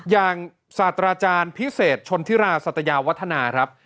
ศาสตราจารย์พิเศษชนธิราสัตยาวัฒนาครับ